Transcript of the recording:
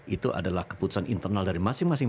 itu adalah keputusan internal dari masing masing